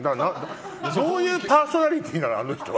どういうパーソナリティーなのあの人は。